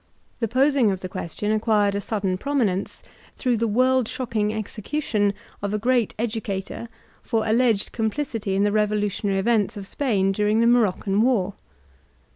The posing of the question acquired a sudden promi nence, through the world shocking execution of a great educator for allied complicity in the revolutionary events of Spain during the Moroccan war.